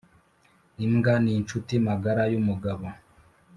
imbwa ninshuti magara yumugabo